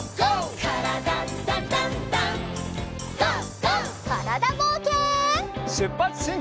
からだぼうけん。